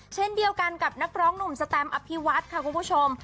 เช่นเดียวกันกับนักร้องหนุ่มสแตมอภิวัฒน์ค่ะคุณผู้ชม